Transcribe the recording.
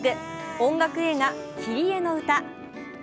音楽映画「キリエのうた」。